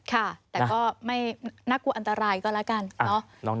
ค่ะแต่ก็ไม่น่ากลัวอันตรายก็แล้วกันเนอะ